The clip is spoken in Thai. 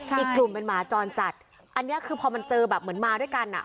อีกกลุ่มเป็นหมาจรจัดอันนี้คือพอมันเจอแบบเหมือนมาด้วยกันอ่ะ